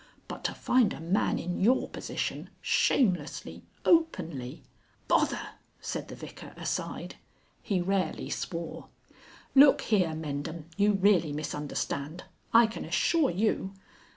But to find a man in your position, shamelessly, openly...." "Bother!" said the Vicar aside. He rarely swore. "Look here, Mendham, you really misunderstand. I can assure you...."